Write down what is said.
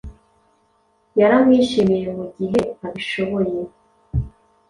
yaramwishimiye mugihe abishoboye